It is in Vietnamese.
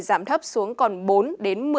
giảm thấp xuống còn bốn đến một độ